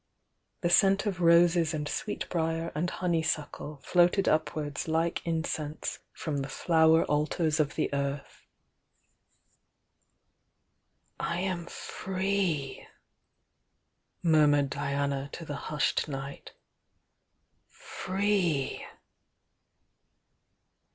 The scent of roses and sweet briar and honeysuckle floated upwards like incense from the flower altars of the earth. "I am free!" murmured Diana to the hushed night. "Free!"